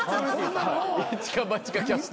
・イチかバチかキャスト。